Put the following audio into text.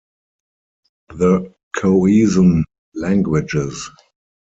The Khoesan Languages.